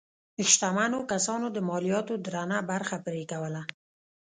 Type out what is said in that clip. شتمنو کسانو د مالیاتو درنه برخه پرې کوله.